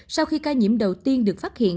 sau khi ca nhiễm đầu tiên được phát triển